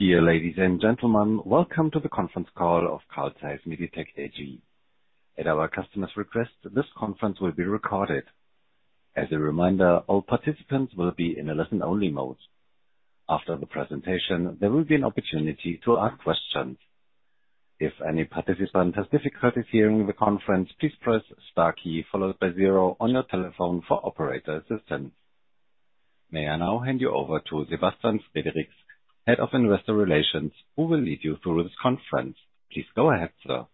Dear ladies and gentlemen, welcome to the conference call of Carl Zeiss Meditec AG. At our customer's request, this conference will be recorded. As a reminder, all participants will be in a listen-only mode. After the presentation, there will be an opportunity to ask questions. If any participant has difficulties hearing the conference, please press star key followed by zero on your telephone for operator assistance. May I now hand you over to Sebastian Frericks, Head of Investor Relations, who will lead you through this conference. Please go ahead, sir.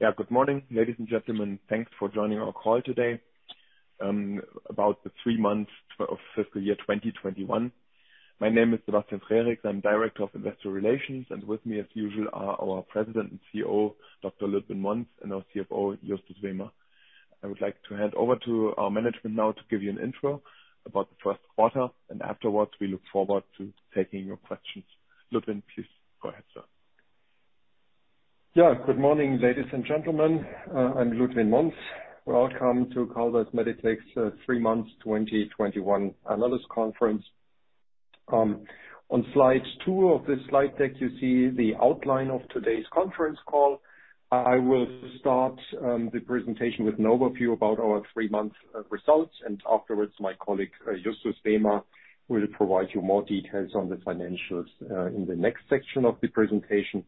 Yeah. Good morning, ladies and gentlemen. Thanks for joining our call today, about the three months of fiscal year 2021. My name is Sebastian Frericks, I'm Director of Investor Relations, and with me as usual are our President and CEO, Dr. Ludwin Monz, and our CFO, Justus Wehmer. I would like to hand over to our management now to give you an intro about the first quarter, and afterwards we look forward to taking your questions. Ludwin, please go ahead, sir. Good morning, ladies and gentlemen. I'm Ludwin Monz. Welcome to Carl Zeiss Meditec's Three Months 2021 Analyst Conference. On slide two of the slide deck, you see the outline of today's conference call. I will start the presentation with an overview about our three-month results, and afterwards my colleague, Justus Wehmer, will provide you more details on the financials in the next section of the presentation.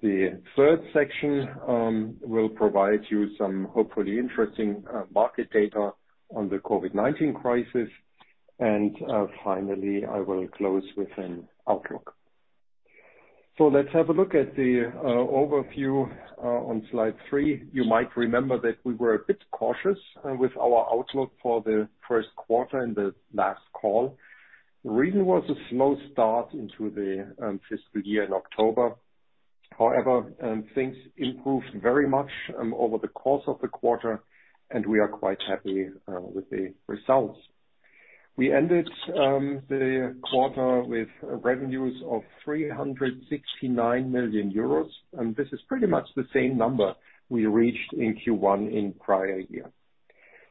The third section will provide you some hopefully interesting market data on the COVID-19 crisis. Finally, I will close with an outlook. Let's have a look at the overview on slide three. You might remember that we were a bit cautious with our outlook for the first quarter in the last call. The reason was a slow start into the fiscal year in October. However, things improved very much over the course of the quarter, and we are quite happy with the results. We ended the quarter with revenues of 369 million euros, and this is pretty much the same number we reached in Q1 in prior year.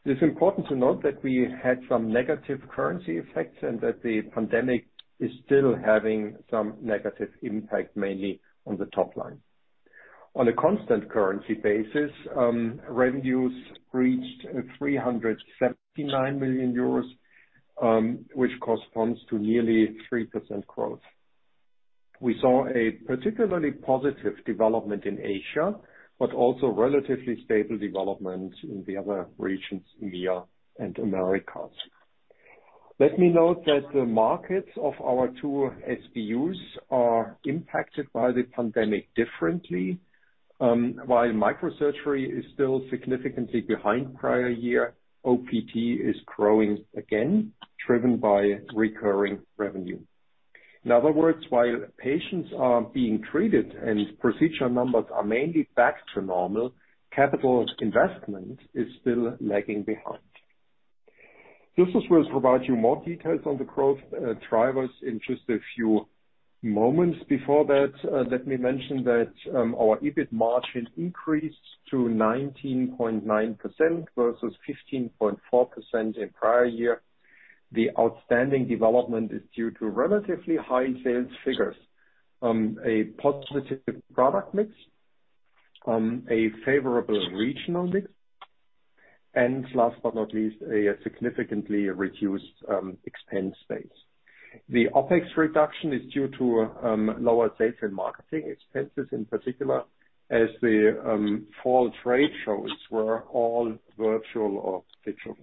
It's important to note that we had some negative currency effects, and that the pandemic is still having some negative impact, mainly on the top line. On a constant currency basis, revenues reached 379 million euros, which corresponds to nearly 3% growth. We saw a particularly positive development in Asia, but also relatively stable development in the other regions, EMEA and Americas. Let me note that the markets of our two SBUs are impacted by the pandemic differently. While microsurgery is still significantly behind prior year, OPT is growing again, driven by recurring revenue. In other words, while patients are being treated and procedure numbers are mainly back to normal, capital investment is still lagging behind. Justus will provide you more details on the growth drivers in just a few moments. Before that, let me mention that our EBIT margin increased to 19.9% versus 15.4% in prior year. The outstanding development is due to relatively high sales figures, a positive product mix, a favorable regional mix, and last but not least, a significantly reduced expense base. The OpEx reduction is due to lower sales and marketing expenses in particular as the fall trade shows were all virtual or digital.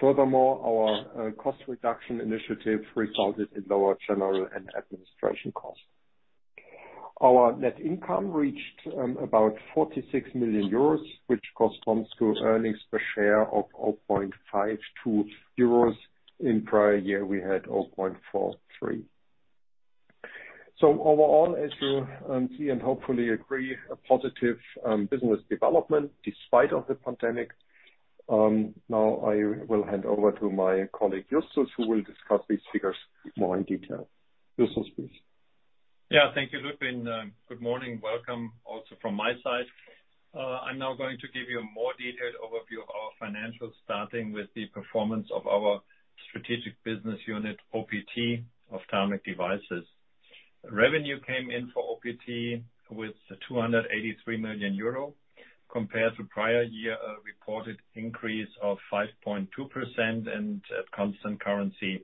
Furthermore, our cost reduction initiative resulted in lower general and administration costs. Our net income reached about 46 million euros, which corresponds to earnings per share of 0.52 euros. In prior year, we had 0.43. Overall, as you see and hopefully agree, a positive business development despite of the pandemic. I will hand over to my colleague, Justus, who will discuss these figures more in detail. Justus, please. Yeah. Thank you, Ludwin. Good morning. Welcome also from my side. I'm now going to give you a more detailed overview of our financials starting with the performance of our strategic business unit, OPT, Ophthalmic Devices. Revenue came in for OPT with 283 million euro compared to prior year, a reported increase of 5.2% and at constant currency,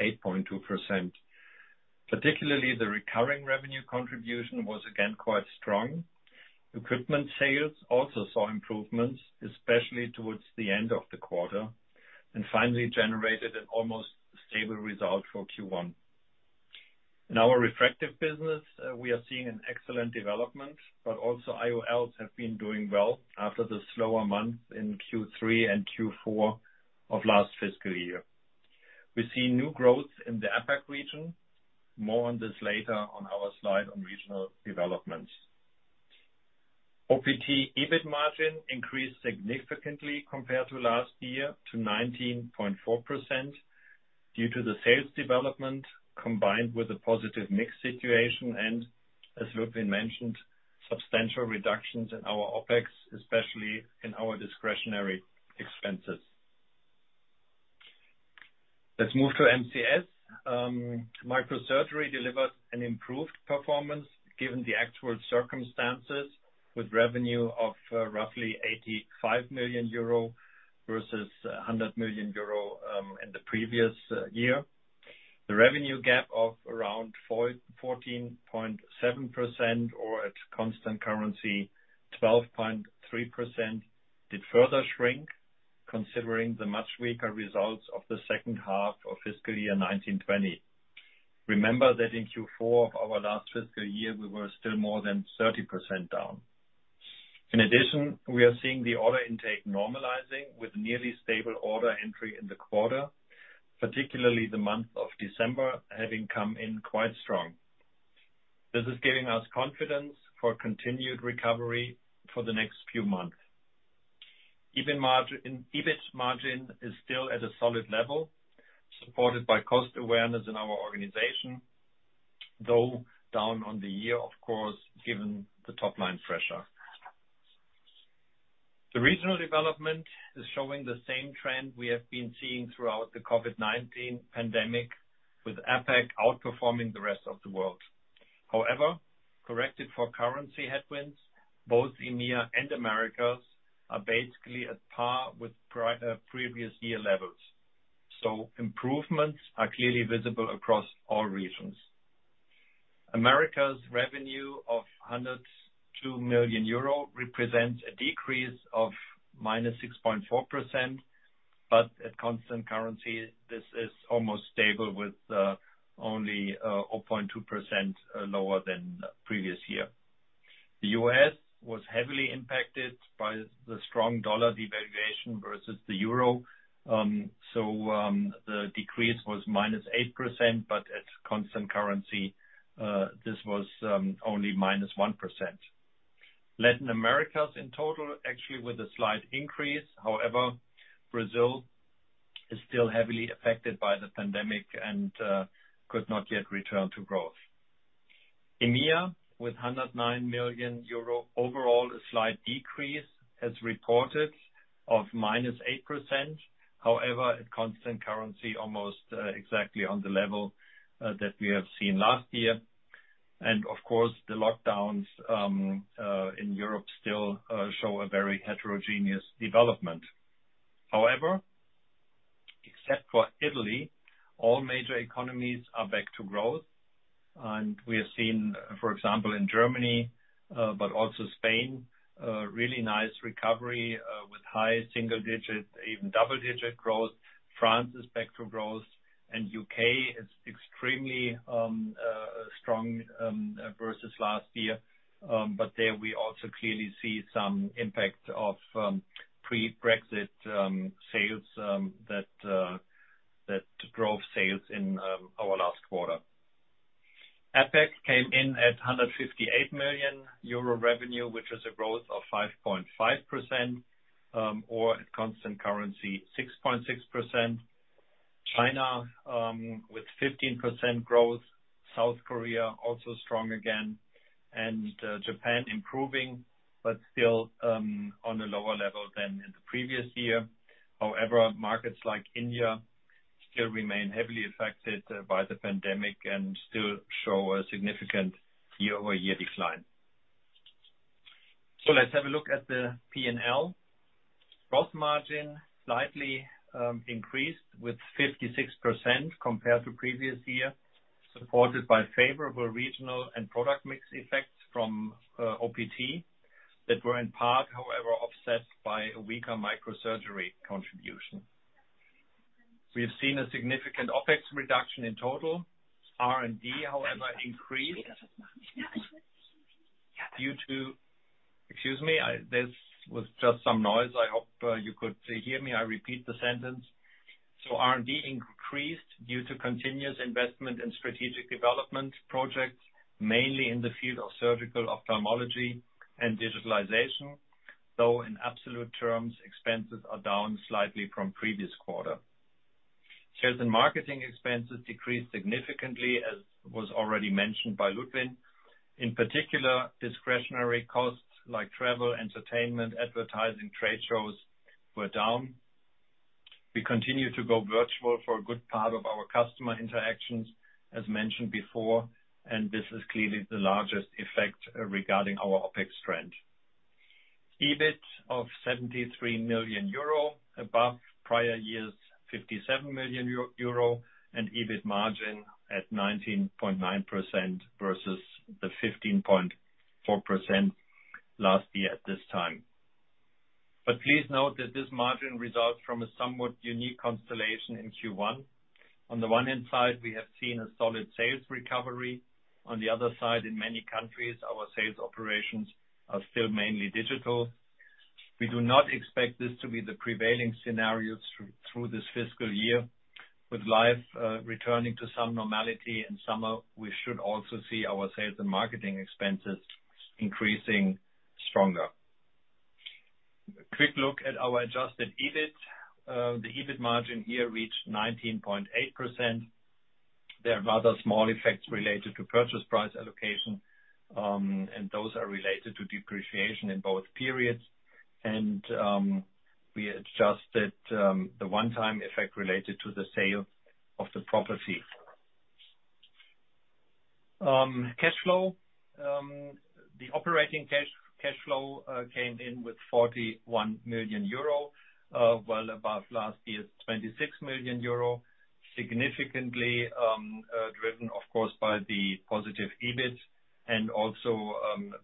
8.2%. Particularly, the recurring revenue contribution was again quite strong. Equipment sales also saw improvements, especially towards the end of the quarter. Finally generated an almost stable result for Q1. In our refractive business, we are seeing an excellent development, but also IOLs have been doing well after the slower months in Q3 and Q4 of last fiscal year. We see new growth in the APAC region. More on this later on our slide on regional developments. OPT EBIT margin increased significantly compared to last year to 19.4% due to the sales development combined with a positive mix situation and as Ludwin mentioned, substantial reductions in our OpEx, especially in our discretionary expenses. Let's move to MCS. Microsurgery delivered an improved performance given the actual circumstances, with revenue of roughly 85 million euro versus 100 million euro in the previous year. The revenue gap of around 14.7%, or at constant currency, 12.3%, did further shrink considering the much weaker results of the second half of fiscal year 2019/2020. Remember that in Q4 of our last fiscal year, we were still more than 30% down. In addition, we are seeing the order intake normalizing with nearly stable order entry in the quarter, particularly the month of December having come in quite strong. This is giving us confidence for continued recovery for the next few months. EBIT margin is still at a solid level, supported by cost awareness in our organization, though down on the year, of course, given the top-line pressure. The regional development is showing the same trend we have been seeing throughout the COVID-19 pandemic, with APAC outperforming the rest of the world. Corrected for currency headwinds, both EMEA and Americas are basically at par with previous year levels. Improvements are clearly visible across all regions. Americas' revenue of 102 million euro represents a decrease of -6.4%, but at constant currency, this is almost stable with only 0.2% lower than previous year. The U.S. was heavily impacted by the strong U.S. dollar devaluation versus the EUR. The decrease was -8%, but at constant currency, this was only -1%. Latin America in total, actually with a slight increase. However, Brazil is still heavily affected by the pandemic and could not yet return to growth. EMEA, with 109 million euro. A slight decrease as reported of -8%. However, at constant currency, almost exactly on the level that we have seen last year. Of course, the lockdowns in Europe still show a very heterogeneous development. However, except for Italy, all major economies are back to growth. We have seen, for example, in Germany, but also Spain, a really nice recovery, with high single-digit, even double-digit growth. France is back to growth, and U.K. is extremely strong versus last year. There we also clearly see some impact of pre-Brexit sales that drove sales in our last quarter. APAC came in at 158 million euro revenue, which was a growth of 5.5%, or at constant currency, 6.6%. China with 15% growth. South Korea also strong again. Japan improving, but still on a lower level than in the previous year. However, markets like India still remain heavily affected by the pandemic and still show a significant year-over-year decline. Let's have a look at the P&L gross margin slightly increased with 56% compared to previous year, supported by favorable regional and product mix effects from OPT that were in part, however, offset by a weaker microsurgery contribution. We have seen a significant OpEx reduction in total. R&D, however, increased due to Excuse me, this was just some noise. I hope you could hear me. I repeat the sentence. R&D increased due to continuous investment in strategic development projects, mainly in the field of surgical ophthalmology and digitalization, though in absolute terms, expenses are down slightly from previous quarter. Sales and marketing expenses decreased significantly, as was already mentioned by Ludwin. In particular, discretionary costs like travel, entertainment, advertising, trade shows were down. We continue to go virtual for a good part of our customer interactions, as mentioned before, this is clearly the largest effect regarding our OpEx trend. EBIT of 73 million euro, above prior year's 57 million euro, EBIT margin at 19.9% versus the 15.4% last year at this time. Please note that this margin results from a somewhat unique constellation in Q1. On the one hand side, we have seen a solid sales recovery. On the other side, in many countries, our sales operations are still mainly digital. We do not expect this to be the prevailing scenario through this fiscal year. With life returning to some normality in summer, we should also see our sales and marketing expenses increasing stronger. A quick look at our adjusted EBIT. The EBIT margin here reached 19.8%. There are rather small effects related to purchase price allocation, those are related to depreciation in both periods. We adjusted the one-time effect related to the sale of the property. Cash flow. The operating cash flow came in with 41 million euro, well above last year's 26 million euro. Significantly driven, of course, by the positive EBIT and also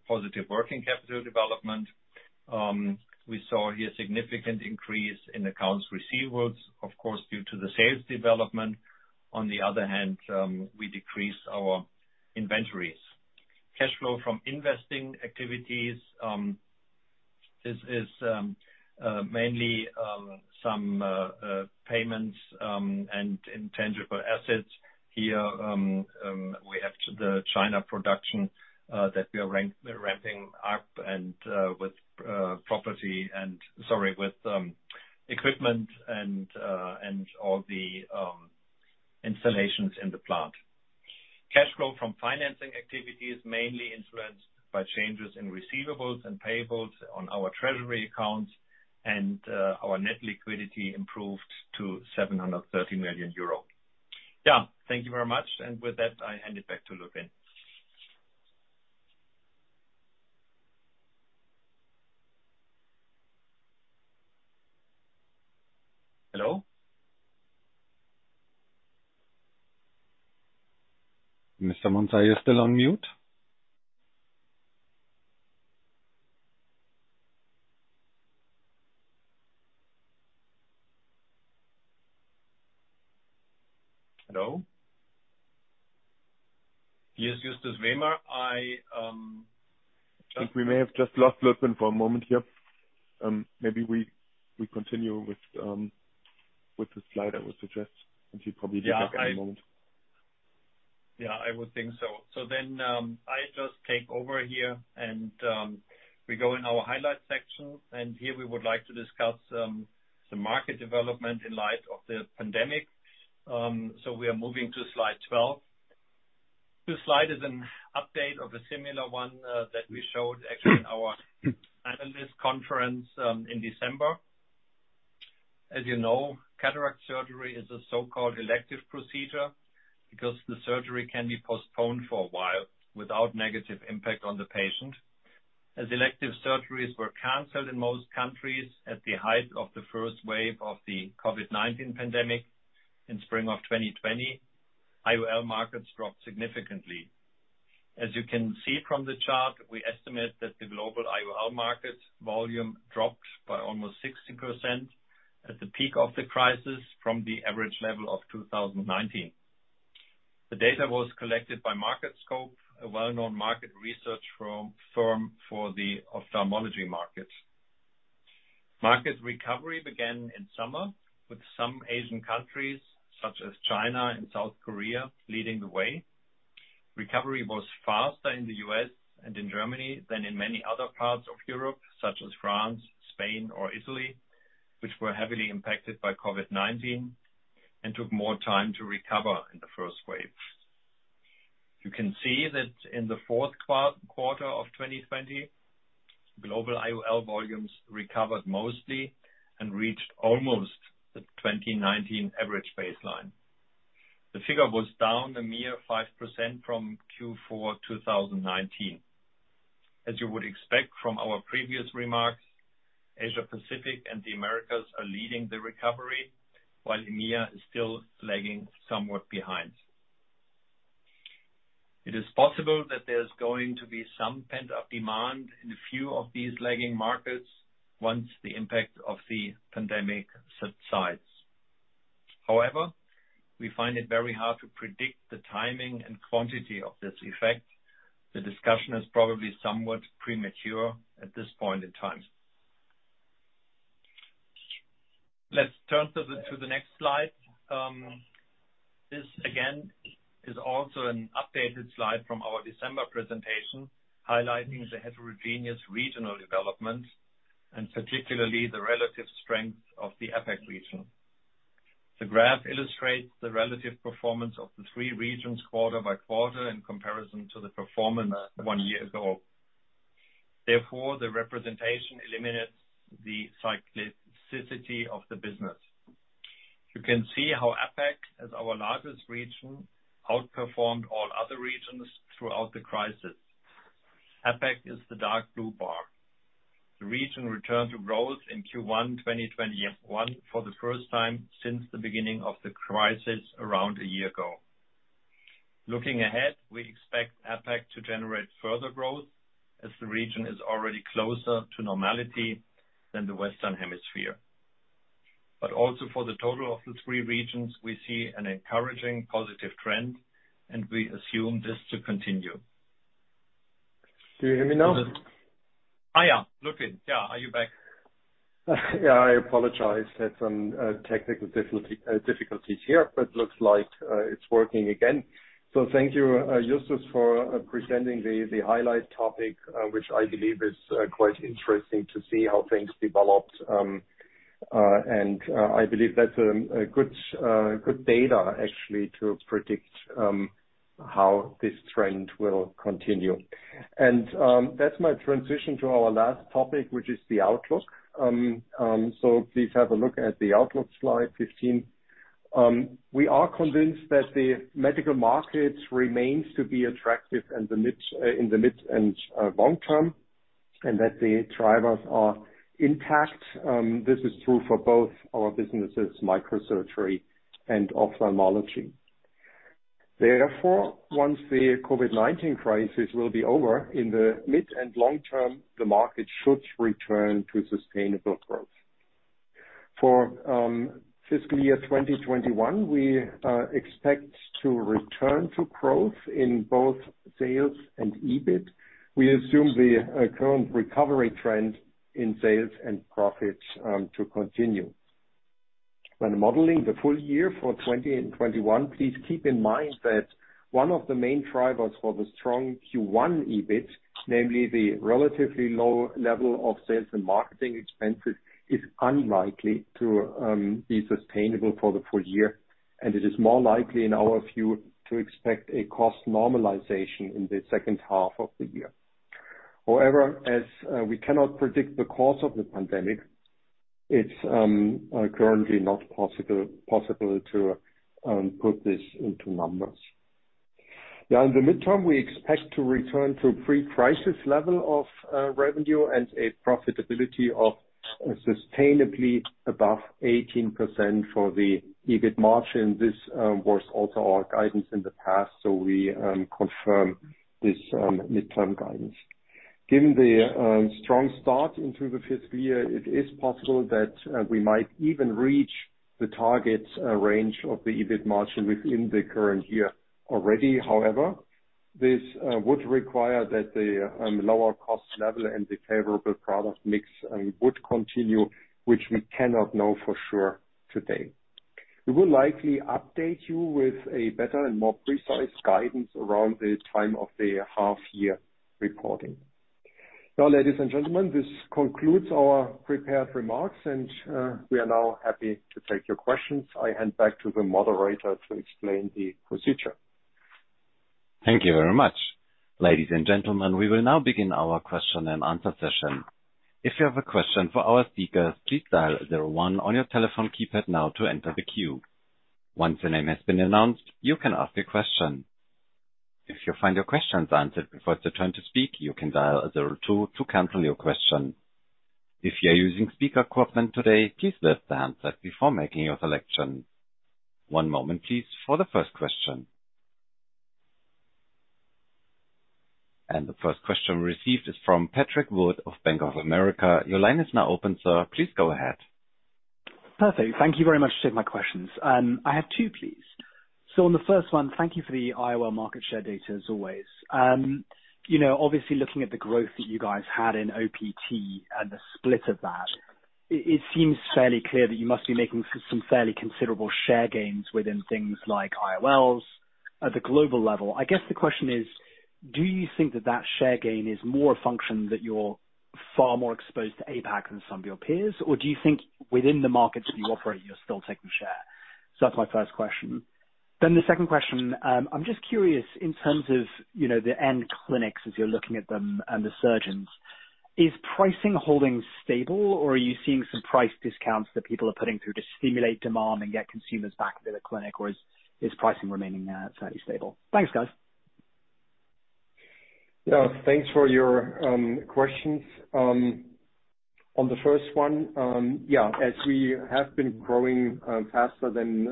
positive working capital development. We saw here significant increase in accounts receivables, of course, due to the sales development. On the other hand, we decreased our inventories. Cash flow from investing activities is mainly some payments and intangible assets. Here, we have the China production that we are ramping up and with equipment and all the installations in the plant. Cash flow from financing activities mainly influenced by changes in receivables and payables on our treasury accounts, our net liquidity improved to 730 million euro. Thank you very much. With that, I hand it back to Ludwin. Hello? Mr. Monz is still on mute. Hello? Here's Justus Wehmer. I think we may have just lost Ludwin for a moment here. Maybe we continue with the slide, I would suggest, and he'll probably be back in a moment. Yeah, I would think so. I just take over here, and we go in our highlights section, and here we would like to discuss some market development in light of the pandemic. We are moving to slide 12. This slide is an update of a similar one that we showed actually in our analyst conference in December. You know, cataract surgery is a so-called elective procedure because the surgery can be postponed for a while without negative impact on the patient. Elective surgeries were canceled in most countries at the height of the first wave of the COVID-19 pandemic in spring of 2020, IOL markets dropped significantly. You can see from the chart, we estimate that the global IOL market volume dropped by almost 60% at the peak of the crisis from the average level of 2019. The data was collected by Market Scope, a well-known market research firm for the ophthalmology market. Market recovery began in summer, with some Asian countries, such as China and South Korea, leading the way. Recovery was faster in the U.S. and in Germany than in many other parts of Europe, such as France, Spain, or Italy, which were heavily impacted by COVID-19 and took more time to recover in the first wave. You can see that in the fourth quarter of 2020, global IOL volumes recovered mostly and reached almost the 2019 average baseline. The figure was down a mere 5% from Q4 2019. As you would expect from our previous remarks, Asia-Pacific and the Americas are leading the recovery, while EMEA is still lagging somewhat behind. It is possible that there's going to be some pent-up demand in a few of these lagging markets once the impact of the pandemic subsides. However, we find it very hard to predict the timing and quantity of this effect. The discussion is probably somewhat premature at this point in time. Let's turn to the next slide. This again is also an updated slide from our December presentation highlighting the heterogeneous regional development, and particularly the relative strength of the APAC region. The graph illustrates the relative performance of the three regions quarter by quarter in comparison to the performance one year ago. Therefore, the representation eliminates the cyclicity of the business. You can see how APAC, as our largest region, outperformed all other regions throughout the crisis. APAC is the dark blue bar. The region returned to growth in Q1 2021 for the first time since the beginning of the crisis around a year ago. Looking ahead, we expect APAC to generate further growth as the region is already closer to normality than the Western Hemisphere. Also for the total of the three regions, we see an encouraging positive trend, and we assume this to continue. Can you hear me now? Oh, yeah. Ludwin. Yeah, are you back? Yeah, I apologize. Had some technical difficulties here, but looks like it's working again. Thank you, Justus, for presenting the highlight topic, which I believe is quite interesting to see how things developed. I believe that's a good data actually to predict how this trend will continue. That's my transition to our last topic, which is the outlook. Please have a look at the outlook, slide 15. We are convinced that the medical market remains to be attractive in the mid and long term and that the drivers are intact. This is true for both our businesses, microsurgery and ophthalmology. Therefore, once the COVID-19 crisis will be over in the mid and long term, the market should return to sustainable growth. For fiscal year 2021, we expect to return to growth in both sales and EBIT. We assume the current recovery trend in sales and profits to continue. When modeling the full year for 2021, please keep in mind that one of the main drivers for the strong Q1 EBIT, namely the relatively low level of sales and marketing expenses, is unlikely to be sustainable for the full year, and it is more likely, in our view, to expect a cost normalization in the second half of the year. However, as we cannot predict the course of the pandemic, it's currently not possible to put this into numbers. Now, in the midterm, we expect to return to pre-crisis level of revenue and a profitability of sustainably above 18% for the EBIT margin. This was also our guidance in the past, so we confirm this midterm guidance. Given the strong start into the fiscal year, it is possible that we might even reach the target range of the EBIT margin within the current year already. However, this would require that the lower cost level and the favorable product mix would continue, which we cannot know for sure today. We will likely update you with a better and more precise guidance around the time of the half year reporting. Now, ladies and gentlemen, this concludes our prepared remarks and we are now happy to take your questions. I hand back to the moderator to explain the procedure. Thank you very much. Ladies and gentlemen, we will now begin our question and answer session. If you have a question for our speakers, please dial zero one on your telephone keypad now to enter the queue. Once your name has been announced, you can ask your question. If you find your questions answered before it's your turn to speak, you can dial a zero two to cancel your question. If you are using speaker equipment today, please lift the handset before making your selection. One moment please, for the first question. The first question we received is from Patrick Wood of Bank of America. Your line is now open, sir. Please go ahead. Perfect. Thank you very much for taking my questions. I have two, please. On the first one, thank you for the IOL market share data as always. Obviously looking at the growth that you guys had in OPT and the split of that, it seems fairly clear that you must be making some fairly considerable share gains within things like IOLs at the global level. I guess the question is, do you think that that share gain is more a function that you're far more exposed to APAC than some of your peers? Do you think within the markets that you operate, you're still taking share? That's my first question. The second question, I'm just curious in terms of the end clinics as you're looking at them and the surgeons, is pricing holding stable or are you seeing some price discounts that people are putting through to stimulate demand and get consumers back to the clinic, or is pricing remaining fairly stable? Thanks, guys. Yeah. Thanks for your questions. On the first one, yeah, as we have been growing faster than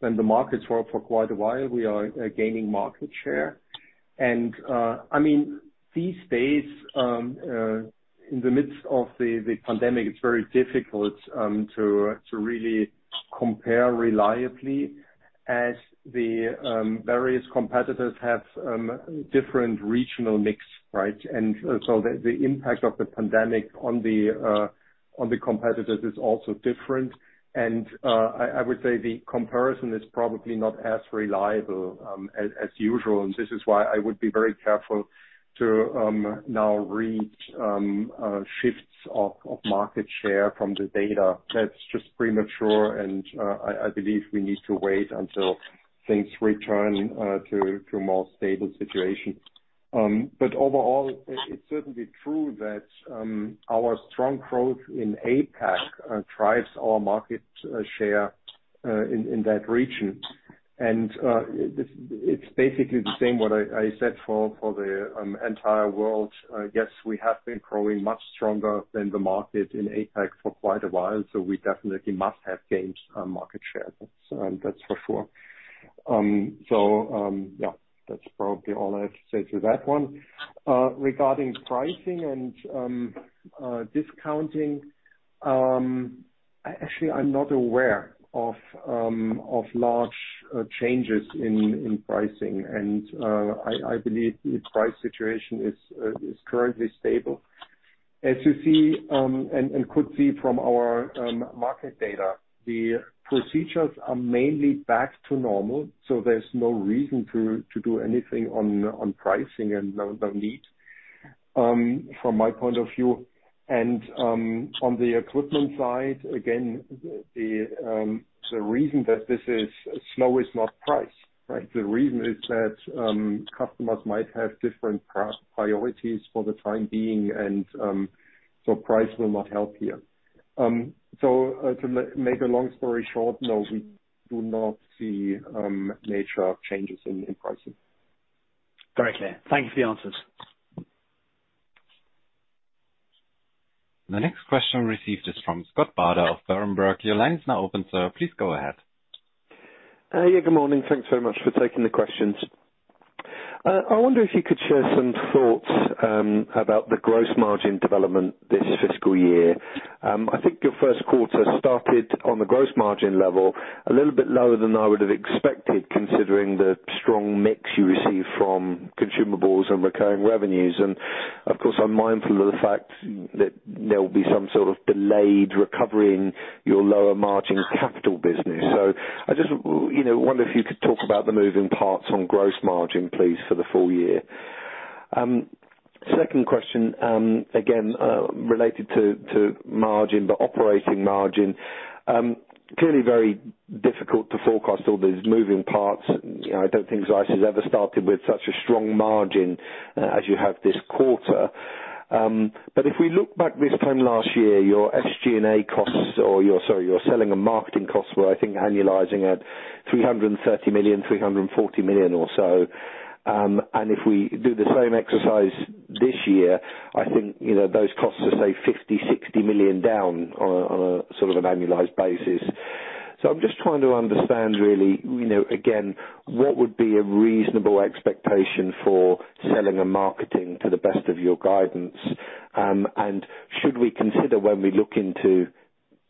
the markets for quite a while, we are gaining market share. These days, in the midst of the pandemic, it's very difficult to really compare reliably as the various competitors have different regional mix, right? The impact of the pandemic on the competitors is also different. I would say the comparison is probably not as reliable as usual. This is why I would be very careful to now read shifts of market share from the data. That's just premature, and I believe we need to wait until things return to more stable situation. Overall, it's certainly true that our strong growth in APAC drives our market share in that region. It's basically the same what I said for the entire world. Yes, we have been growing much stronger than the market in APAC for quite a while, so we definitely must have gained market share. That's for sure. Yeah, that's probably all I have to say to that one. Regarding pricing and discounting, actually, I'm not aware of large changes in pricing, and I believe the price situation is currently stable. As you see, and could see from our market data, the procedures are mainly back to normal, so there's no reason to do anything on pricing and no need. From my point of view. And on the equipment side, again, the reason that this is slow is not price, right? The reason is that customers might have different priorities for the time being, and so price will not help here. To make a long story short, no, we do not see major changes in pricing. Very clear. Thank you for the answers. The next question received is from Scott Bardo of Berenberg. Your line is now open, sir. Please go ahead. Yeah, good morning. Thanks very much for taking the questions. I wonder if you could share some thoughts about the gross margin development this fiscal year. I think your first quarter started on the gross margin level a little bit lower than I would have expected, considering the strong mix you receive from consumables and recurring revenues. Of course, I'm mindful of the fact that there'll be some sort of delayed recovery in your lower margin capital business. I just wonder if you could talk about the moving parts on gross margin, please, for the full year. Second question, again, related to margin, operating margin. Clearly very difficult to forecast all these moving parts. I don't think Zeiss has ever started with such a strong margin as you have this quarter. If we look back this time last year, your SG&A costs or your Sorry, your selling and marketing costs were, I think, annualizing at 330 million, 340 million or so. If we do the same exercise this year, I think those costs are, say, 50 million, 60 million down on a sort of an annualized basis. I'm just trying to understand, really, again, what would be a reasonable expectation for selling and marketing to the best of your guidance? Should we consider when we look into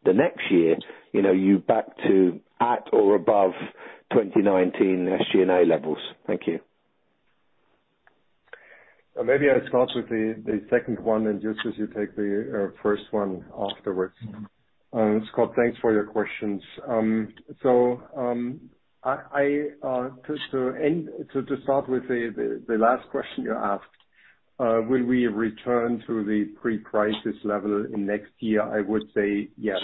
the next year, you back to at or above 2019 SG&A levels? Thank you. Maybe I'll start with the second one and, Justus, you take the first one afterwards. Scott, thanks for your questions. To start with the last question you asked, will we return to the pre-crisis level in next year? I would say yes.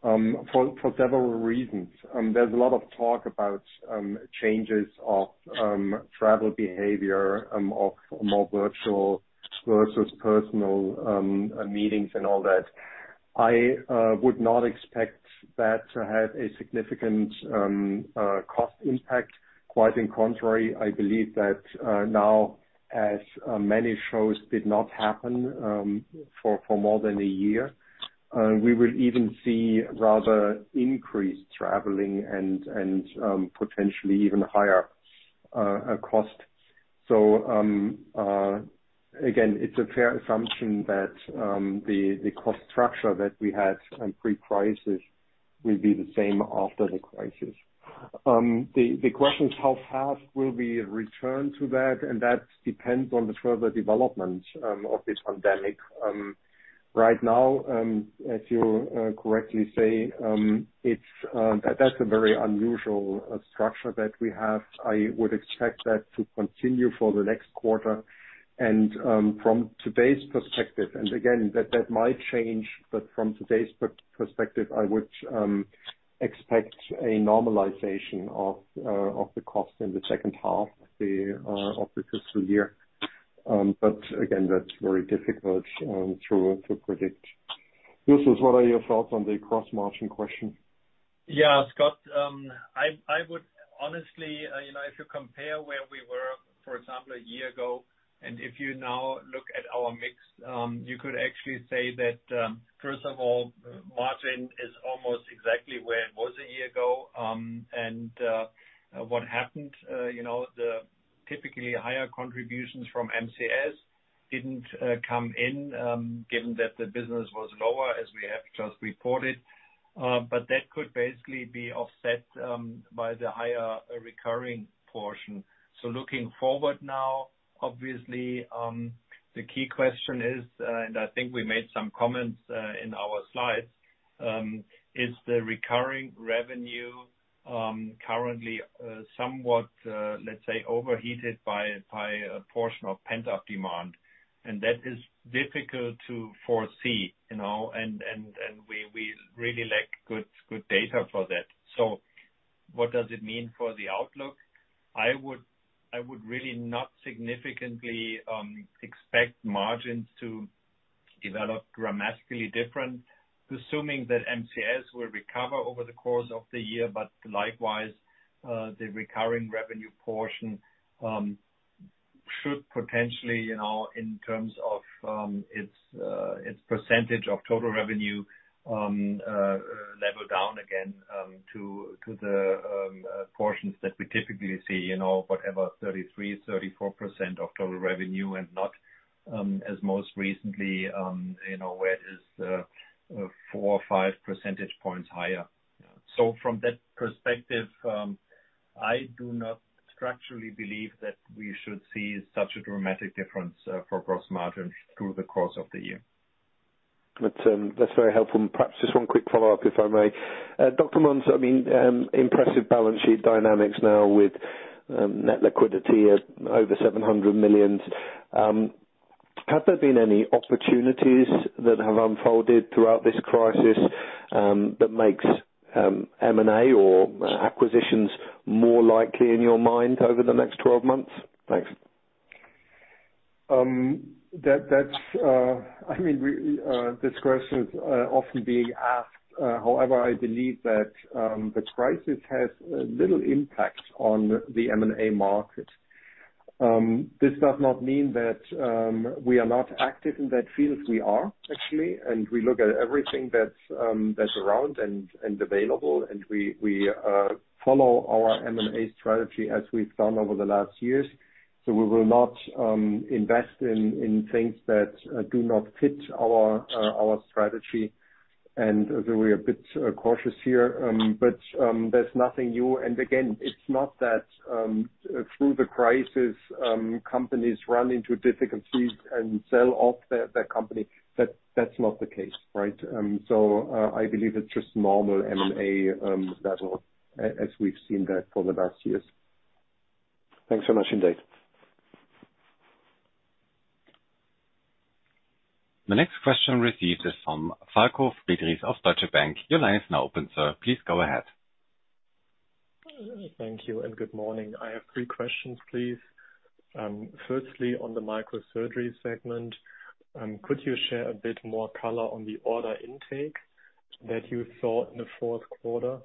For several reasons. There's a lot of talk about changes of travel behavior, of more virtual versus personal meetings and all that. I would not expect that to have a significant cost impact. Quite on the contrary, I believe that now, as many shows did not happen for more than one year, we will even see rather increased traveling and potentially even higher cost. Again, it's a fair assumption that the cost structure that we had in pre-crisis will be the same after the crisis. The question is, how fast will we return to that? That depends on the further development of this pandemic. Right now, as you correctly say, that's a very unusual structure that we have. I would expect that to continue for the next quarter. From today's perspective, and again, that might change, from today's perspective, I would expect a normalization of the cost in the second half of the fiscal year. Again, that's very difficult to predict. Justus, what are your thoughts on the gross margin question? Scott, I would honestly, if you compare where we were, for example, a year ago, and if you now look at our mix, you could actually say that, first of all, margin is almost exactly where it was a year ago. What happened, the typically higher contributions from MCS didn't come in, given that the business was lower, as we have just reported. That could basically be offset by the higher recurring portion. Looking forward now, obviously, the key question is, and I think we made some comments in our slides, is the recurring revenue currently somewhat, let's say, overheated by a portion of pent-up demand? That is difficult to foresee. We really lack good data for that. What does it mean for the outlook? I would really not significantly expect margins to develop dramatically different, assuming that MCS will recover over the course of the year. But likewise, the recurring revenue portion should potentially, in terms of its percentage of total revenue, level down again to the portions that we typically see, whatever 33%, 34% of total revenue and not as most recently, where it is four or five percentage points higher. So from that perspective, I do not structurally believe that we should see such a dramatic difference for gross margin through the course of the year. That's very helpful. Perhaps just one quick follow-up, if I may. Dr. Monz, impressive balance sheet dynamics now with net liquidity at over 700 million. Have there been any opportunities that have unfolded throughout this crisis that makes M&A or acquisitions more likely in your mind over the next 12 months? Thanks. This question is often being asked. However, I believe that the crisis has little impact on the M&A market. This does not mean that we are not active in that field. We are actually, and we look at everything that's around and available, and we follow our M&A strategy as we've done over the last years. We will not invest in things that do not fit our strategy. We're a bit cautious here. There's nothing new. Again, it's not that through the crisis, companies run into difficulties and sell off their company. That's not the case, right? I believe it's just normal M&A level as we've seen that for the last years. Thanks so much indeed. The next question received is from Falko Friedrichs of Deutsche Bank. Your line is now open, sir. Please go ahead. Thank you and good morning. I have three questions, please. Firstly, on the microsurgery segment, could you share a bit more color on the order intake that you saw in the first quarter,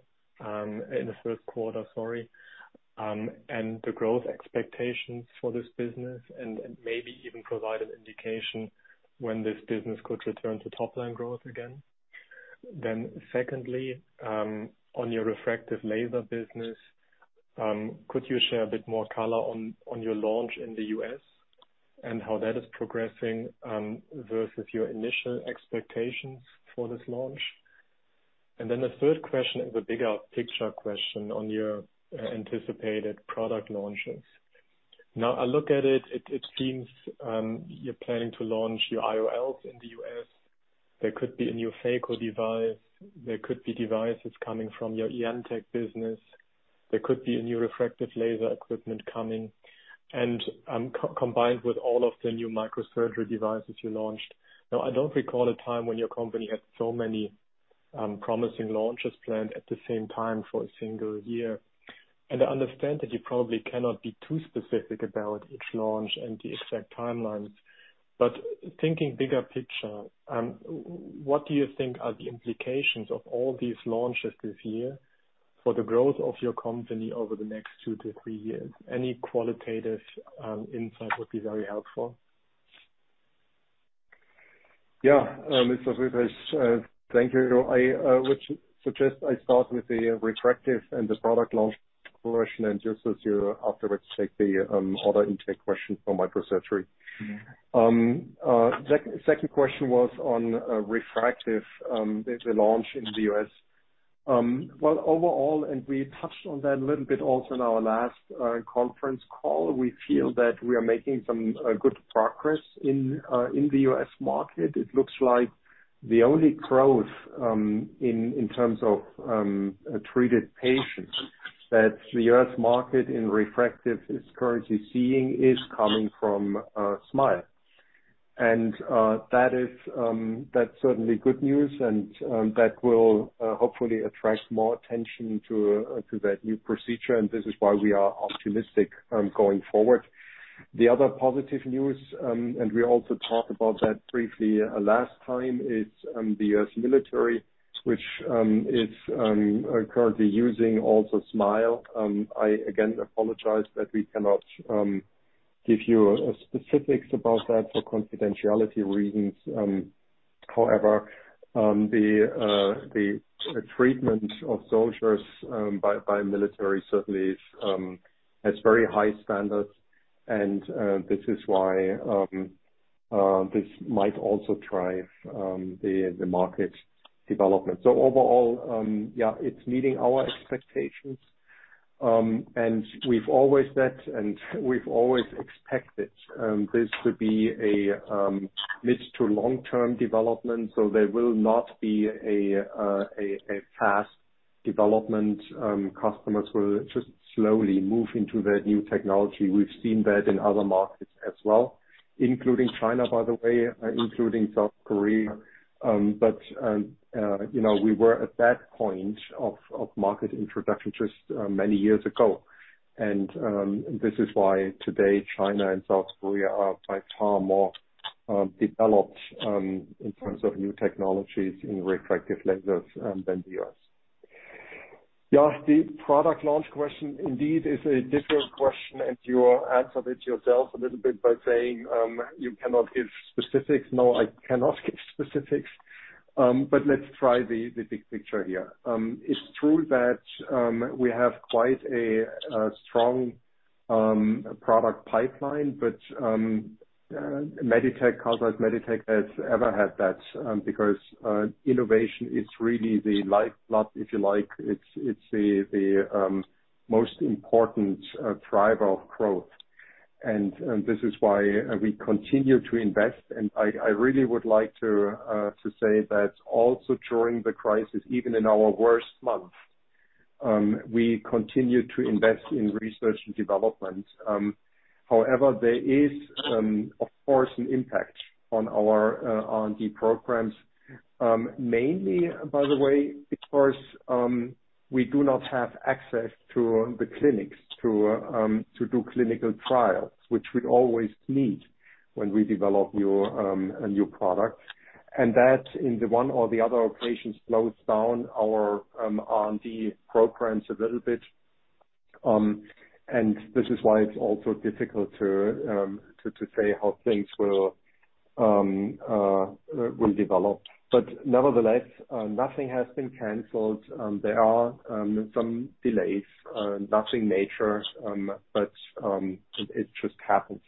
sorry, and the growth expectations for this business, and maybe even provide an indication when this business could return to top line growth again? Secondly, on your refractive laser business, could you share a bit more color on your launch in the U.S. and how that is progressing versus your initial expectations for this launch? The third question is a bigger picture question on your anticipated product launches. Now, I look at it seems, you're planning to launch your IOLs in the U.S. There could be a new phaco device, there could be devices coming from your ENT business. There could be a new refractive laser equipment coming, combined with all of the new microsurgery devices you launched. I don't recall a time when your company had so many promising launches planned at the same time for a single year. I understand that you probably cannot be too specific about each launch and the exact timelines. Thinking bigger picture, what do you think are the implications of all these launches this year for the growth of your company over the next two to three years? Any qualitative insight would be very helpful. Yeah. Mr. Friedrichs, thank you. I would suggest I start with the refractive and the product launch portion, and Justus you afterwards take the order intake question for microsurgery. Second question was on refractive, the launch in the U.S. Well, overall, we touched on that a little bit also in our last conference call. We feel that we are making some good progress in the U.S. market. It looks like the only growth, in terms of treated patients, that the U.S. market in refractive is currently seeing is coming from SMILE. That's certainly good news and that will hopefully attract more attention to that new procedure, and this is why we are optimistic going forward. The other positive news, we also talked about that briefly last time is the U.S. military, which is currently using also SMILE. I again apologize that we cannot give you specifics about that for confidentiality reasons. However, the treatment of soldiers by military certainly has very high standards and this is why this might also drive the market development. Overall, yeah, it's meeting our expectations. We've always said, and we've always expected this to be a mid to long-term development, so there will not be a fast development. Customers will just slowly move into that new technology. We've seen that in other markets as well, including China, by the way, including South Korea. We were at that point of market introduction just many years ago. This is why today China and South Korea are by far more developed in terms of new technologies in refractive lasers than the U.S. The product launch question indeed is a different question, and you answered it yourself a little bit by saying, you cannot give specifics. No, I cannot give specifics. Let's try the big picture here. It's true that we have quite a strong product pipeline. Carl Zeiss Meditec has ever had that, because innovation is really the lifeblood, if you like. It's the most important driver of growth. This is why we continue to invest. I really would like to say that also during the crisis, even in our worst month, we continued to invest in research and development. However, there is of course, an impact on our R&D programs. Mainly, by the way, because we do not have access to the clinics to do clinical trials, which we always need when we develop a new product. That in the one or the other occasions, slows down our R&D programs a little bit. This is why it's also difficult to say how things will develop. Nevertheless, nothing has been canceled. There are some delays. Nothing major, but it just happens.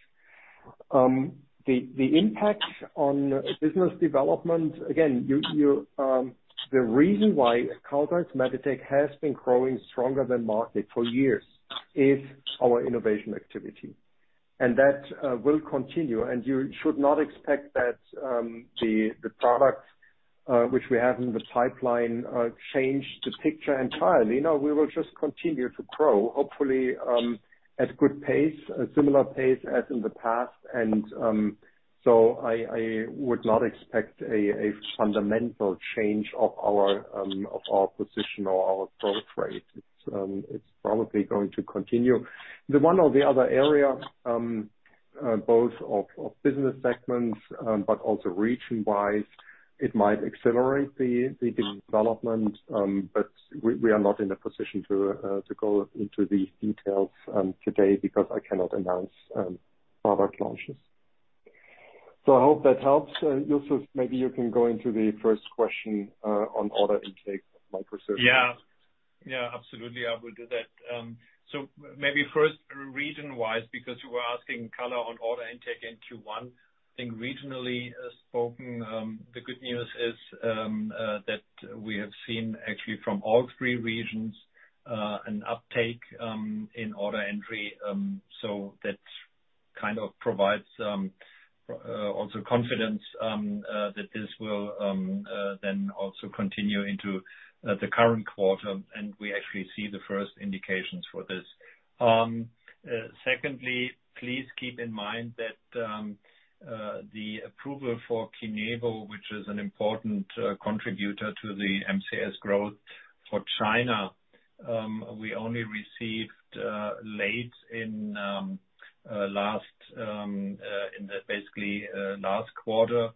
The impact on business development, again, the reason why Carl Zeiss Meditec has been growing stronger than market for years is our innovation activity. That will continue, and you should not expect that the products which we have in the pipeline change the picture entirely. No, we will just continue to grow, hopefully at good pace, a similar pace as in the past. I would not expect a fundamental change of our position or our growth rate. It's probably going to continue. The one or the other area, both of business segments but also region-wise, it might accelerate the development, but we are not in a position to go into the details today because I cannot announce product launches. I hope that helps. Justus, maybe you can go into the first question on order intake, microsurgery. Yeah. Absolutely. I will do that. Maybe first, region-wise, because you were asking color on order intake in Q1. I think regionally spoken, the good news is that we have seen actually from all three regions an uptake in order entry. That kind of provides also confidence that this will then also continue into the current quarter, and we actually see the first indications for this. Please keep in mind that the approval for KINEVO, which is an important contributor to the MCS growth for China, we only received late in the basically, last quarter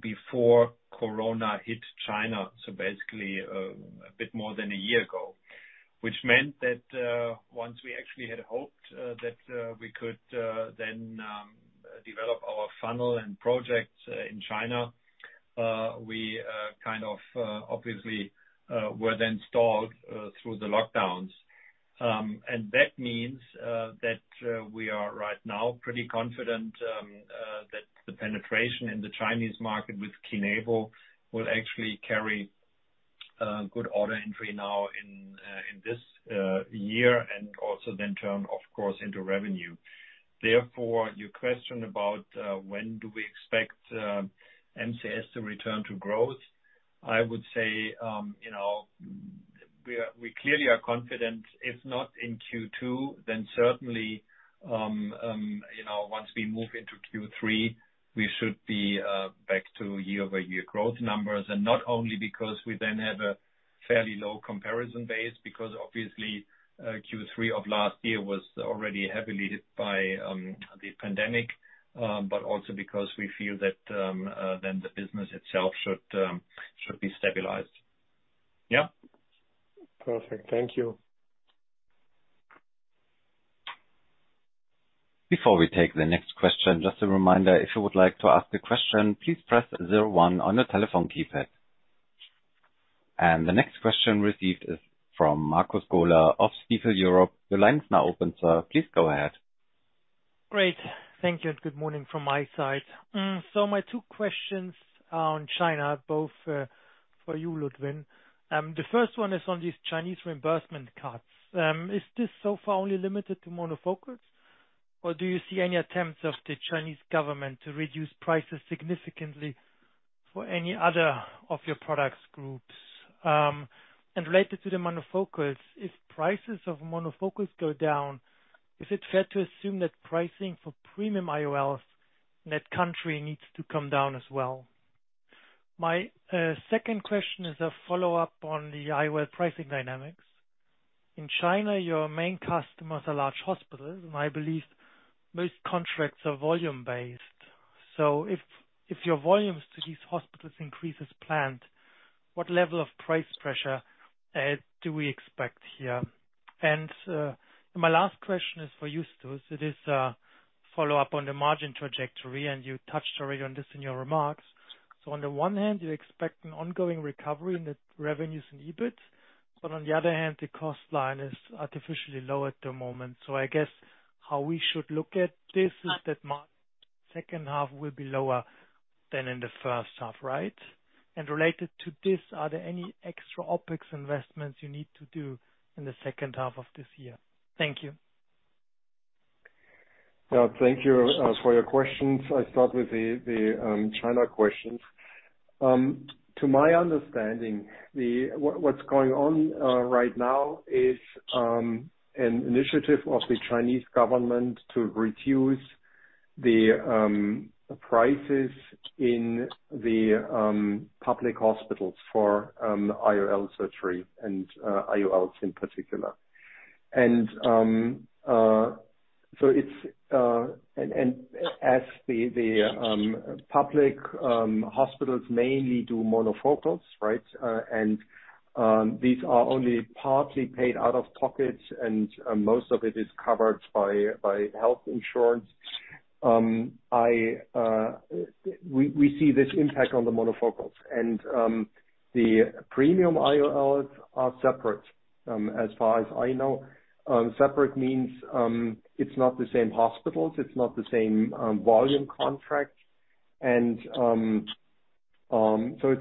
before Corona hit China. Basically, a bit more than a year ago. Which meant that, once we actually had hoped that we could then develop our funnel and projects in China, we kind of obviously were then stalled through the lockdowns. That means that we are right now pretty confident that the penetration in the Chinese market with KINEVO will actually carry good order entry now in this year, and also then turn, of course, into revenue. Therefore, your question about when do we expect MCS to return to growth, I would say we clearly are confident, if not in Q2, then certainly once we move into Q3, we should be back to year-over-year growth numbers. Not only because we then have a fairly low comparison base, because obviously Q3 of last year was already heavily hit by the pandemic, but also because we feel that then the business itself should be stabilized. Yeah. Perfect. Thank you. Before we take the next question, just a reminder, if you would like to ask a question, please press zero one on your telephone keypad. The next question received is from Markus Gola of Stifel Europe. Your line is now open, sir. Please go ahead. Great. Thank you. Good morning from my side. My two questions on China, both for you, Ludwin. The first one is on these Chinese reimbursement cuts. Is this so far only limited to monofocals, or do you see any attempts of the Chinese government to reduce prices significantly for any other of your product groups? Related to the monofocals, if prices of monofocals go down, is it fair to assume that pricing for premium IOLs in that country needs to come down as well? My second question is a follow-up on the IOL pricing dynamics. In China, your main customers are large hospitals. I believe most contracts are volume-based. If your volumes to these hospitals increase as planned, what level of price pressure do we expect here? My last question is for Justus. It is a follow-up on the margin trajectory. You touched already on this in your remarks. On the one hand, you expect an ongoing recovery in the revenues and EBIT, but on the other hand, the cost line is artificially low at the moment. I guess how we should look at this is that margin second half will be lower than in the first half, right? Related to this, are there any extra OpEx investments you need to do in the second half of this year? Thank you. Thank you for your questions. I'll start with the China question. To my understanding, what's going on right now is an initiative of the Chinese government to reduce the prices in the public hospitals for IOL surgery, and IOLs in particular. As the public hospitals mainly do monofocals, these are only partly paid out of pocket, and most of it is covered by health insurance. We see this impact on the monofocals. The premium IOLs are separate, as far as I know. Separate means it's not the same hospitals, it's not the same volume contract. It's a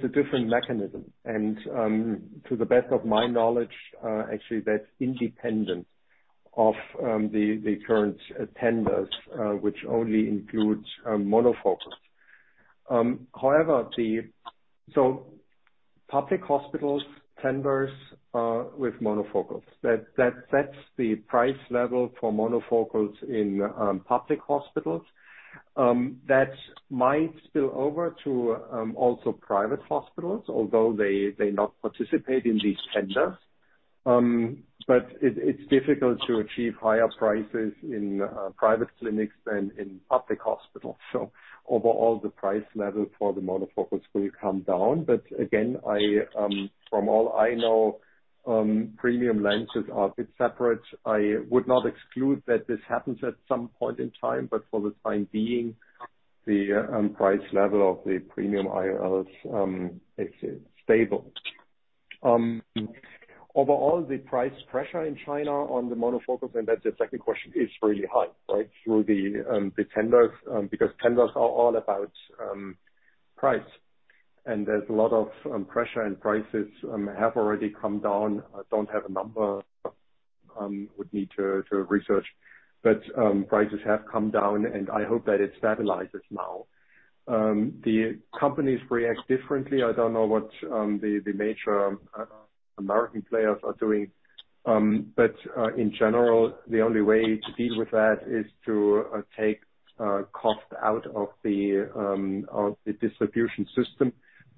different mechanism. To the best of my knowledge, actually, that's independent of the current tenders, which only includes monofocals. Public hospitals tenders with monofocals. That sets the price level for monofocals in public hospitals. That might spill over to also private hospitals, although they not participate in these tenders. It's difficult to achieve higher prices in private clinics than in public hospitals. Overall, the price level for the monofocals will come down. Again, from all I know, premium lenses are a bit separate. I would not exclude that this happens at some point in time, but for the time being, the price level of the premium IOLs is stable. Overall, the price pressure in China on the monofocals, and that's the second question, is really high. Through the tenders, because tenders are all about price. There's a lot of pressure, and prices have already come down. I don't have a number. Would need to research. Prices have come down, and I hope that it stabilizes now. The companies react differently. I don't know what the major American players are doing. In general, the only way to deal with that is to take cost out of the distribution system,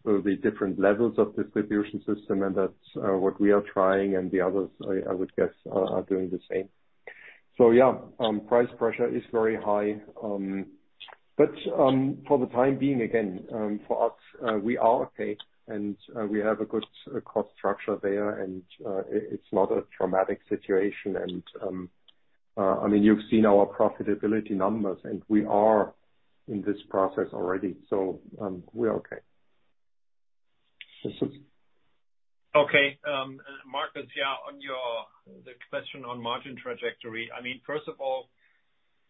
so the different levels of distribution system, and that's what we are trying, and the others, I would guess, are doing the same. Yeah, price pressure is very high. For the time being, again, for us, we are okay, and we have a good cost structure there and it's not a traumatic situation. You've seen our profitability numbers, and we are in this process already. We're okay. Markus, yeah, on the question on margin trajectory. First of all,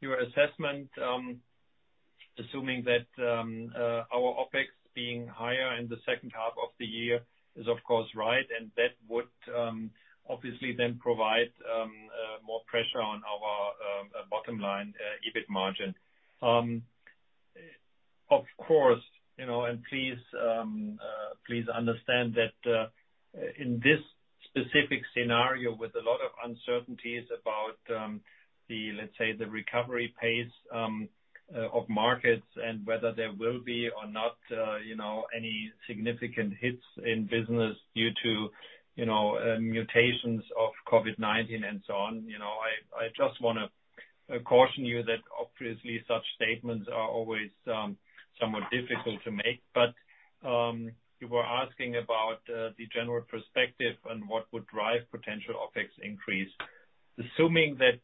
your assessment, assuming that our OpEx being higher in the second half of the year is, of course, right. That would obviously then provide more pressure on our bottom line EBIT margin. Please understand that in this specific scenario, with a lot of uncertainties about, let's say, the recovery pace of markets and whether there will be or not any significant hits in business due to mutations of COVID-19 and so on. I just want to caution you that obviously such statements are always somewhat difficult to make. You were asking about the general perspective and what would drive potential OpEx increase. Assuming that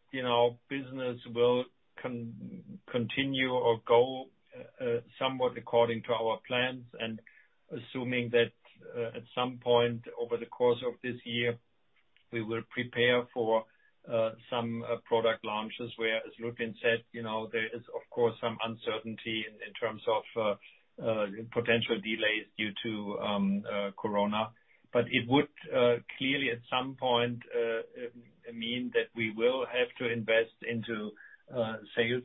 business will continue or go somewhat according to our plans, assuming that at some point over the course of this year, we will prepare for some product launches where, as Ludwin said, there is of course, some uncertainty in terms of potential delays due to corona. It would clearly, at some point, mean that we will have to invest into sales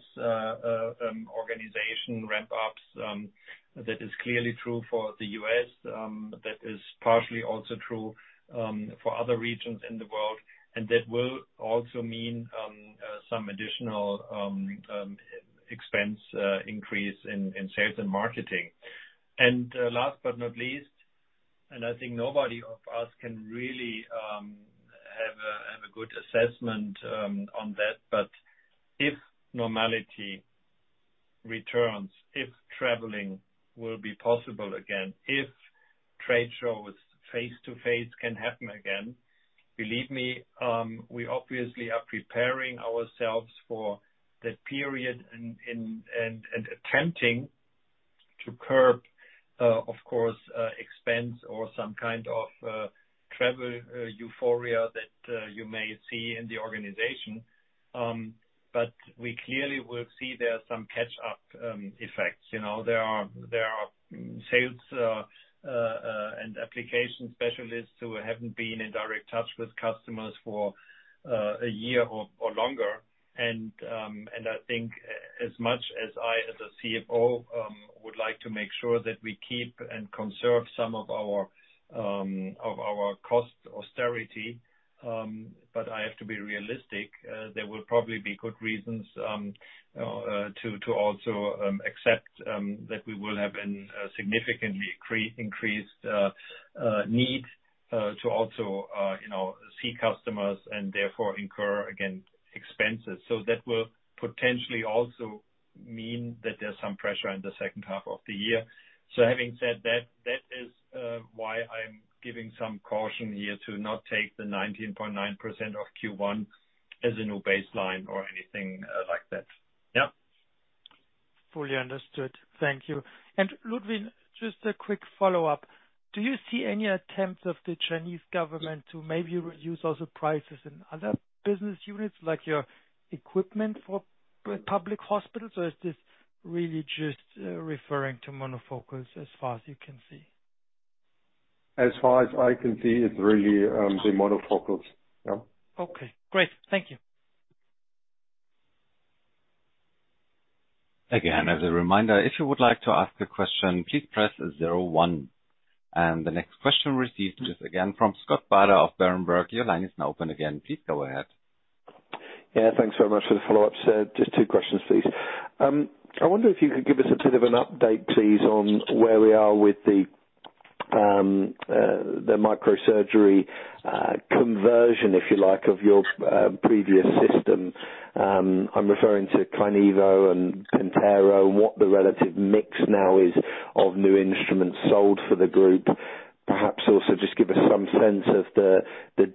organization ramp-ups. That is clearly true for the U.S., that is partially also true for other regions in the world. That will also mean some additional expense increase in sales and marketing. Last but not least, I think nobody of us can really have a good assessment on that, if normality returns, if traveling will be possible again, if trade shows face-to-face can happen again, believe me, we obviously are preparing ourselves for that period and attempting to curb, of course, expense or some kind of travel euphoria that you may see in the organization. We clearly will see there are some catch-up effects. There are sales and application specialists who haven't been in direct touch with customers for a year or longer. I think as much as I, as a CFO, would like to make sure that we keep and conserve some of our cost austerity, I have to be realistic. There will probably be good reasons to also accept that we will have a significantly increased need to also see customers and therefore incur, again, expenses. That will potentially also mean that there's some pressure in the second half of the year. Having said that is why I'm giving some caution here to not take the 19.9% of Q1 as a new baseline or anything like that. Yeah. Fully understood. Thank you. Ludwin, just a quick follow-up. Do you see any attempts of the Chinese government to maybe reduce also prices in other business units, like your equipment for public hospitals, or is this really just referring to monofocals as far as you can see? As far as I can see, it's really the monofocals. Yeah. Okay, great. Thank you. The next question received is again from Scott Bardo of Berenberg. Please go ahead. Yeah, thanks very much for the follow-up, sir. Just two questions, please. I wonder if you could give us a bit of an update, please, on where we are with the microsurgery conversion, if you like, of your previous system. I'm referring to KINEVO and PENTERO and what the relative mix now is of new instruments sold for the group. Perhaps also just give us some sense of the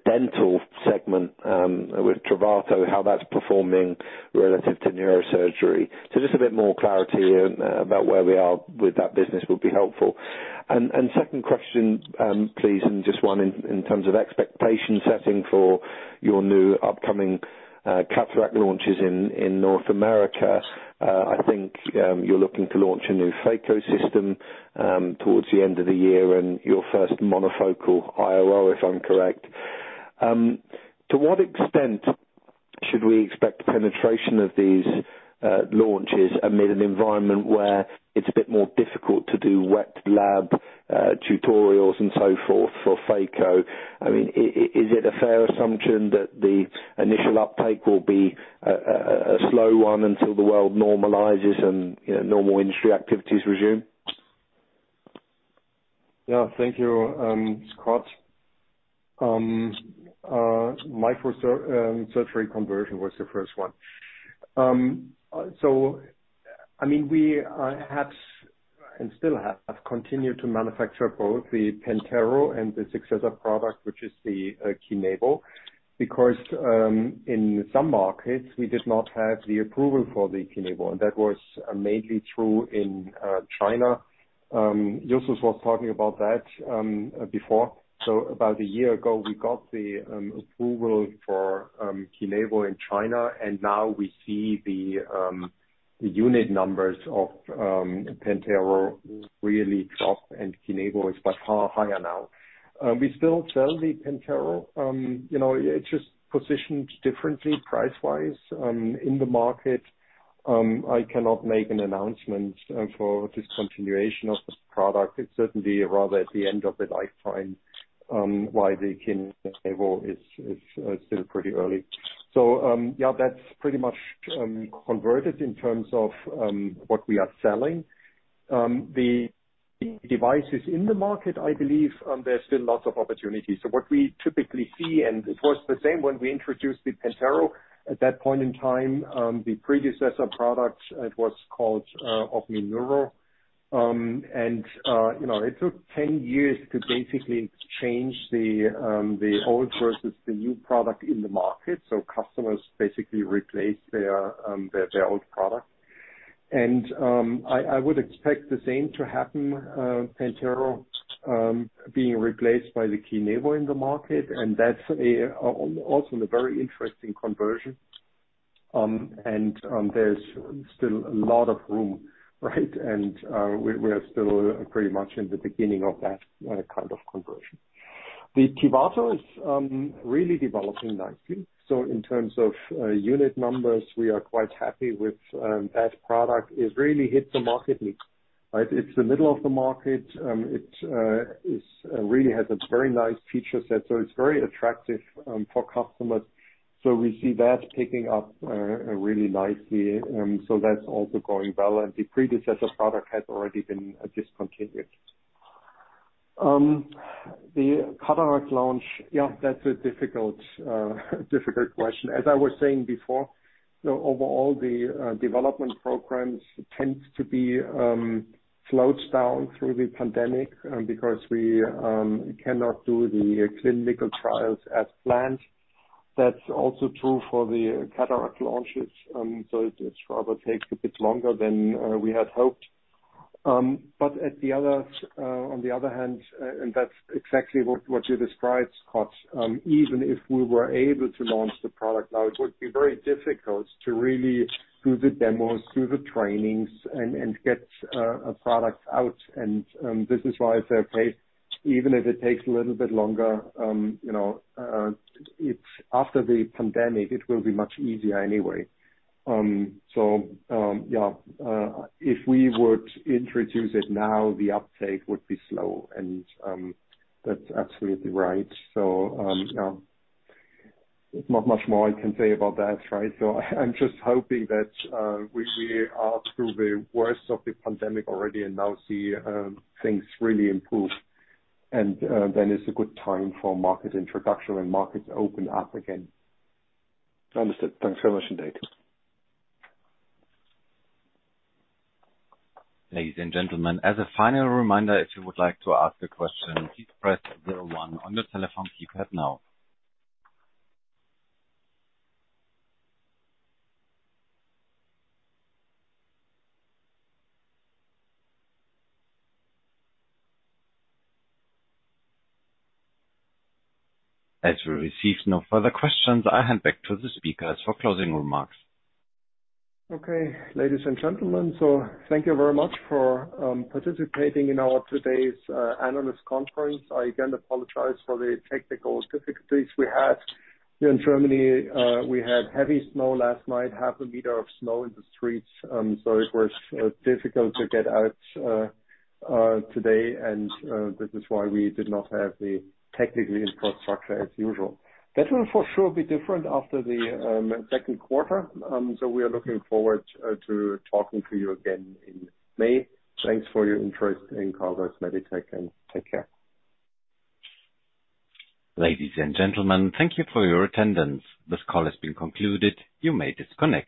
dental segment, with TIVATO, how that's performing relative to neurosurgery. Just a bit more clarity about where we are with that business would be helpful. Second question, please, and just one in terms of expectation setting for your new upcoming cataract launches in North America. I think you're looking to launch a new phaco system towards the end of the year and your first monofocal IOL, if I'm correct. To what extent should we expect the penetration of these launches amid an environment where it's a bit more difficult to do wet lab tutorials and so forth for phaco? I mean, is it a fair assumption that the initial uptake will be a slow one until the world normalizes and normal industry activities resume? Yeah. Thank you, Scott. Microsurgery conversion was the first one. We have and still have continued to manufacture both the PENTERO and the successor product, which is the KINEVO, because in some markets we did not have the approval for the KINEVO, and that was mainly true in China. Justus was talking about that before. About a year ago, we got the approval for KINEVO in China, and now we see the unit numbers of PENTERO really drop, and KINEVO is by far higher now. We still sell the PENTERO. It's just positioned differently price-wise in the market. I cannot make an announcement for discontinuation of the product. It's certainly rather at the end of its lifetime, while the KINEVO is still pretty early. Yeah, that's pretty much converted in terms of what we are selling. The devices in the market, I believe, there's still lots of opportunities. What we typically see, it was the same when we introduced the PENTERO. At that point in time, the predecessor product, it was called OPMI Neuro. It took 10 years to basically change the old versus the new product in the market. Customers basically replaced their old product. I would expect the same to happen, PENTERO being replaced by the KINEVO in the market, that's also a very interesting conversion. There's still a lot of room, right. We are still pretty much in the beginning of that kind of conversion. The TIVATO is really developing nicely. In terms of unit numbers, we are quite happy with that product. It really hits the market niche, right. It's the middle of the market. It really has a very nice feature set, so it's very attractive for customers. We see that picking up really nicely. That's also going well, and the predecessor product has already been discontinued. The cataract launch. Yeah, that's a difficult question. As I was saying before, overall, the development programs tend to be slowed down through the pandemic because we cannot do the clinical trials as planned. That's also true for the cataract launches. It rather takes a bit longer than we had hoped. On the other hand, and that's exactly what you described, Scott, even if we were able to launch the product now, it would be very difficult to really do the demos, do the trainings, and get a product out. This is why it's okay, even if it takes a little bit longer. After the pandemic, it will be much easier anyway. If we were to introduce it now, the uptake would be slow and that's absolutely right. Not much more I can say about that, right? I'm just hoping that we are through the worst of the pandemic already and now see things really improve. It's a good time for market introduction when markets open up again. Understood. Thanks very much, indeed. Ladies and gentlemen, as a final reminder, if you would like to ask a question, please press zero one on your telephone keypad now. As we receive no further questions, I hand back to the speakers for closing remarks. Okay. Ladies and gentlemen, thank you very much for participating in our today's analyst conference. I again apologize for the technical difficulties we had here in Germany. We had heavy snow last night, half a meter of snow in the streets. It was difficult to get out today, this is why we did not have the technical infrastructure as usual. That will for sure be different after the second quarter. We are looking forward to talking to you again in May. Thanks for your interest in Carl Zeiss Meditec, take care. Ladies and gentlemen, thank you for your attendance. This call has been concluded. You may disconnect now.